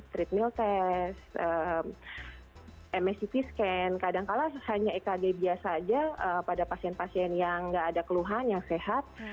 trip mil tes mscp scan kadang kadang hanya ekg biasa aja pada pasien pasien yang gak ada keluhan yang sehat